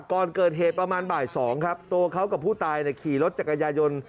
ก่อนเกิดเหตุประมาณบ่าย๒ครับตัวเขากับผู้ตายขี่รถจักรยายนต์